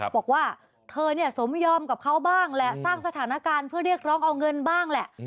บอกว่าเธอเนี่ยสมยอมกับเขาบ้างแหละสร้างสถานการณ์เพื่อเรียกร้องเอาเงินบ้างแหละ